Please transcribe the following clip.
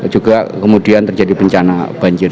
juga kemudian terjadi bencana banjir